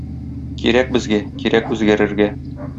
Кирәк безгә, кирәк үзгәрергә.